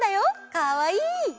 かわいい！